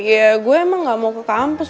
ya gue emang gak mau ke kampus